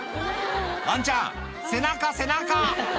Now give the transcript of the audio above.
ワンちゃん背中背中！